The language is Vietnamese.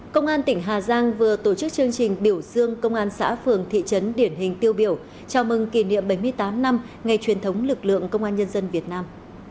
công an tỉnh hà giang vừa tổ chức chương trình biểu dương công an xã phường thị trấn điển hình tiêu biểu chào mừng kỷ niệm bảy mươi tám năm ngày truyền thống lực lượng công an nhân dân việt nam